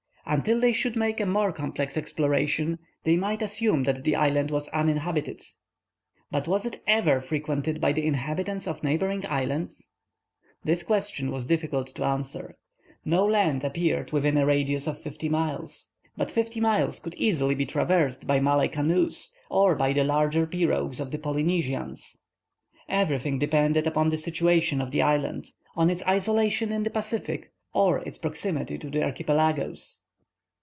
Until they should make a more complete exploration, they might assume that the island was uninhabited. But was it ever frequented by the inhabitants of neighboring islands? This question was difficult to answer. No land appeared within a radius of fifty miles. But fifty miles could easily be traversed by Malay canoes or by the larger pirogues of the Polynesians. Everything depended upon the situation of the island—on its isolation in the Pacific, or its proximity to the archipelagoes.